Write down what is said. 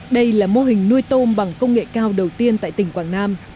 đây là mô hình nuôi tôm bằng công nghệ cao đầu tiên tại tỉnh quảng nam